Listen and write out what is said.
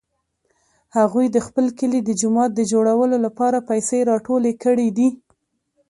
هغوی د خپل کلي د جومات د جوړولو لپاره پیسې راټولې کړې دي